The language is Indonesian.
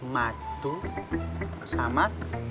matu sama teh